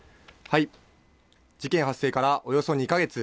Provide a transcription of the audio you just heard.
事件発生からおよそ２か月。